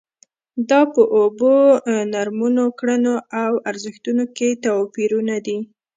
دا په اوبو، نورمونو، کړنو او ارزښتونو کې توپیرونه دي.